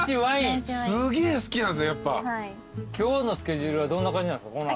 今日のスケジュールはどんな感じなんすか？